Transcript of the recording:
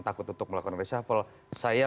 takut untuk melakukan reshuffle saya